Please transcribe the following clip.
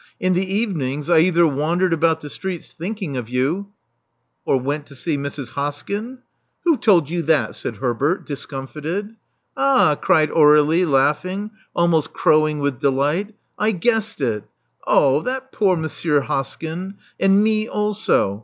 In the evenings, I either wandered about the streets thinking of you Or went to see Mrs. Hoskyn?" Who told you that?" said Herbert, discomfited. Ah!" cried Aur^lie, laughing — almost crowing with delight, *^I guessed it. Oh, that poor Monsieur Hoskyn! And me also!